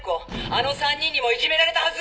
あの３人にもいじめられたはず！」